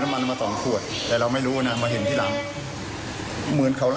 ผมก็ทุบน้ำมา